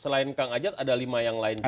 selain kang ajat ada lima yang lain juga